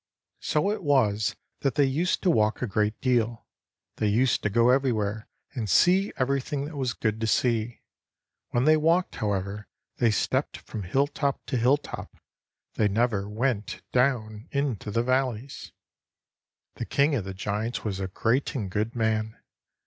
So it was that they used to walk a great deal. They used to go everywhere and see everything that was good to see. When they walked, however, they stepped from hilltop to hilltop. They never went down into the valleys. The king of the giants was a great and a good man.